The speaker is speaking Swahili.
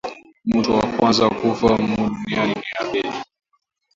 Mutu wa kwanza kufa mu dunia ni Abeli